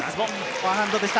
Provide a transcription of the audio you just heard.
フォアハンドでした。